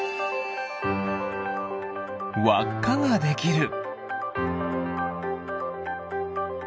わっかができる。